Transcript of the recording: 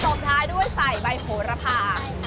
สุดท้ายด้วยใส่ใบโผล่ระผ่าน